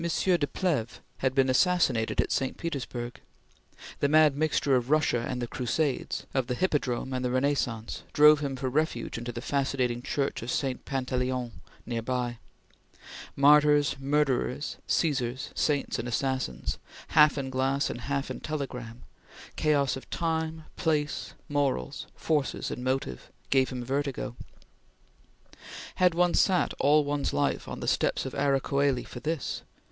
de Plehve had been assassinated at St. Petersburg. The mad mixture of Russia and the Crusades, of the Hippodrome and the Renaissance, drove him for refuge into the fascinating Church of St. Pantaleon near by. Martyrs, murderers, Caesars, saints and assassins half in glass and half in telegram; chaos of time, place, morals, forces and motive gave him vertigo. Had one sat all one's life on the steps of Ara Coeli for this?